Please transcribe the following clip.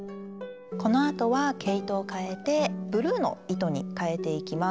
このあとは毛糸を変えてブルーの糸に変えていきます。